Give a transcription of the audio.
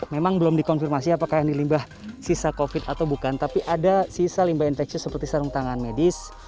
memang belum dikonfirmasi apakah yang di limbah sisa covid atau bukan tapi ada sisa limbah infeksi seperti sarung tangan medis